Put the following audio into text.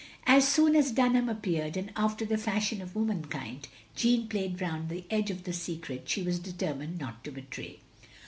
As soon as Dunham appeared, and after the fashion of womankind, Jeanne played round the edge of the secret she was determined not to betray.